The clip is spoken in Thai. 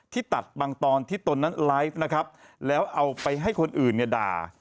ตัดบางตอนที่ตนนั้นไลฟ์นะครับแล้วเอาไปให้คนอื่นเนี่ยด่า